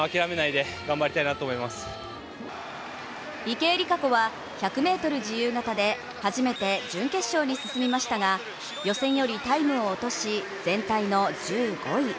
池江璃花子は１００ｍ自由形で初めて準決勝に進みましたが、予選よりタイムを落とし、全体の１５位。